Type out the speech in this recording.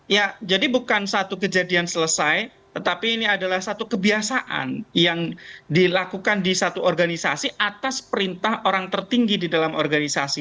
ya jadi bukan satu kejadian selesai tetapi ini adalah satu kebiasaan yang dilakukan di satu organisasi atas perintah orang tertinggi di dalam organisasi